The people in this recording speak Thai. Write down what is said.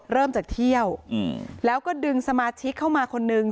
เริ่มจากเที่ยวแล้วก็ดึงสมาชิกเข้ามาคนนึง